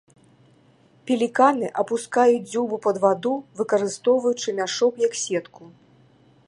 Пеліканы апускаюць дзюбу пад ваду, выкарыстоўваючы мяшок як сетку.